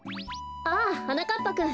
ああはなかっぱくん